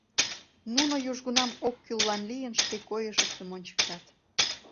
Нуно южгунам оккӱллан лийын шке койышыштым ончыктат.